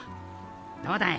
どうだい？